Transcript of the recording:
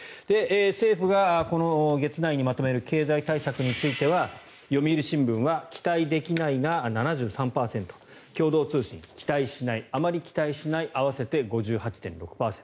政府がこの月内にまとめる経済対策については読売新聞は期待できないが７３％共同通信期待しない、あまり期待しない合わせて５８．６％。